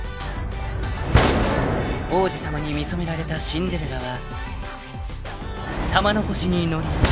［王子様に見初められたシンデレラは玉のこしに乗り